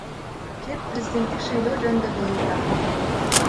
Кеп президенттик шайлоо жөнүндө болууда.